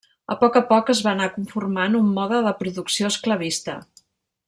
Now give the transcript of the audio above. A poc a poc es va anar conformant un mode de producció esclavista.